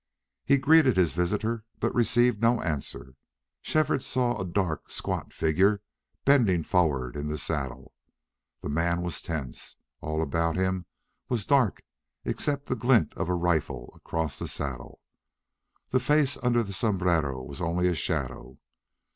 He greeted his visitor, but received no answer. Shefford saw a dark, squat figure bending forward in the saddle. The man was tense. All about him was dark except the glint of a rifle across the saddle. The face under the sombrero was only a shadow.